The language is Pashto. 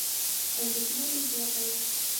اندېښنه مې زیاته وه.